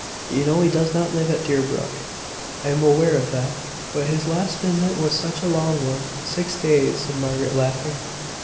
You know he does not live at Deerbrook." "I am aware of that; but his last visit was such a long one " "Six days," said Margaret, laughing.